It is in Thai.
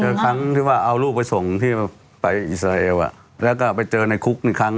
ครั้งที่ว่าเอาลูกไปส่งที่ไปอิสราเอลแล้วก็ไปเจอในคุกอีกครั้ง